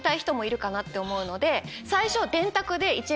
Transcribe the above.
最初。